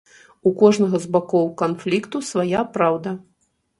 У кожнага з бакоў канфлікту свая праўда.